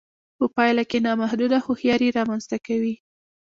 په پایله کې نامحدوده هوښیاري رامنځته کوي